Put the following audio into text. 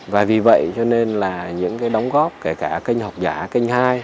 và vì vậy cho nên là những cái đóng góp kể cả kênh học giả kênh hai